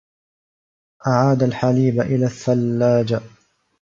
أعاد الحليب إلى الثّلاّجة.